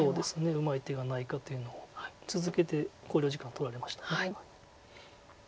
うまい手がないかというのを続けて考慮時間取られました。